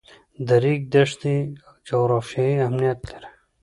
د ریګ دښتې جغرافیایي اهمیت لري.